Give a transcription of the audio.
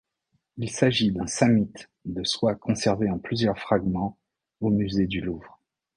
Il s'agit d'un samit de soie conservé en plusieurs fragments au musée du Louvre.